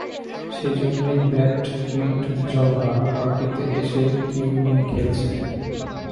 সেজন্যই bat mitzvah পার্টিতে এসে ও কিউব নিয়ে খেলছে।